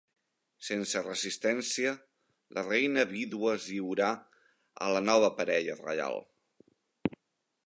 Sense resistència, la reina vídua es lliurà a la nova parella reial.